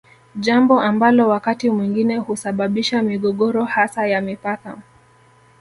Jambo ambalo wakati mwingine husababisha migogoro hasa ya mipaka